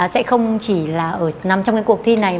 sẽ không chỉ là nằm trong cái cuộc thi này